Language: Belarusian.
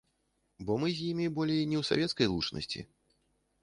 Бо мы з імі болей не ў савецкай лучнасці.